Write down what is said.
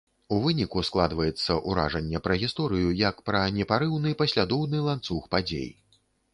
У выніку складваецца ўражанне пра гісторыю як пра непарыўны, паслядоўны ланцуг падзей.